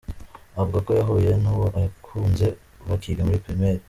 Avuga ko yahuye n’uwo yakunze bakiga muri Primaire.